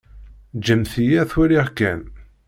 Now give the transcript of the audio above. Ǧǧemt-iyi ad t-waliɣ kan.